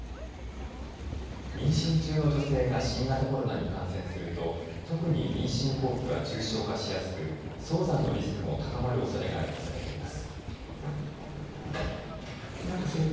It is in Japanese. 妊娠中の女性が新型コロナに感染すると、特に妊娠後期は重症化しやすく早産のリスクも高まるおそれがあるとされています。